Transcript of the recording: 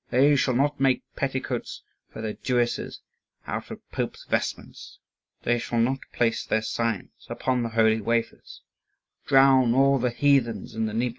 "They shall not make petticoats for their Jewesses out of popes' vestments! They shall not place their signs upon the holy wafers! Drown all the heathens in the Dnieper!"